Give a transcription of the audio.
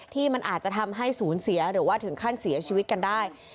ที่มันอาจจะทำให้ศูนย์เสียหรือว่าถึงขั้นเสียชีวิตกันได้